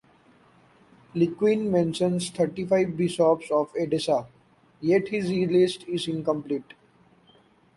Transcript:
Lequien mentions thirty-five Bishops of Edessa; yet his list is incomplete.